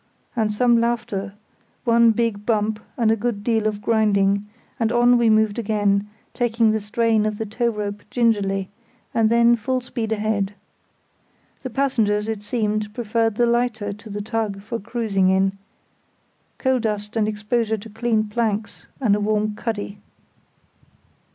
and some laughter, one big bump and a good deal of grinding; and on we moved again, taking the strain of the tow rope gingerly, and then full speed ahead. The passengers, it seemed, preferred the lighter to the tug for cruising in; coal dust and exposure to clean planks and a warm cuddy.